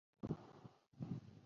এটি একটি আলাদা আবাসিক বিভাগ।